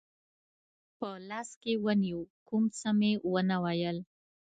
په لاس کې ونیو، کوم څه مې و نه ویل.